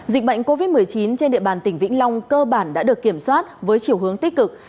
dịch bệnh covid một mươi chín trên địa bàn tỉnh vĩnh long cơ bản đã được kiểm soát với chiều hướng tích cực